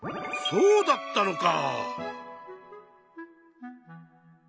そうだったのか！